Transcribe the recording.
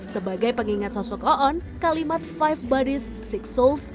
sebagai pengingat sosok oon kalimat five buddies six souls